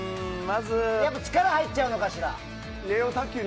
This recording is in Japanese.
力が入っちゃうのかしら。